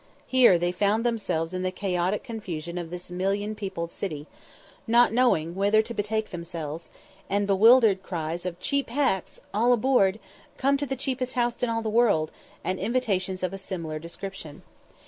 Here they found themselves in the chaotic confusion of this million peopled city, not knowing whither to betake themselves, and bewildered by cries of "Cheap hacks!" "All aboard!" "Come to the cheapest house in all the world!" and invitations of a similar description.